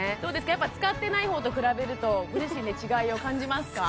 やっぱ使ってない方と比べるとご自身で違いを感じますか？